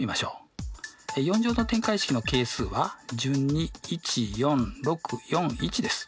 ４乗の展開式の係数は順に１４６４１です。